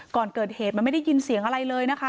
ก่อนเกิดเหตุมันไม่ได้ยินเสียงอะไรเลยนะคะ